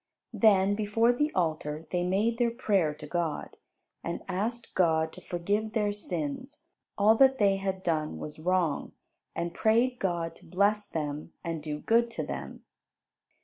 Then before the altar they made their prayer to God, and asked God to forgive their sins, all that they had done was wrong; and prayed God to bless them and do good to them.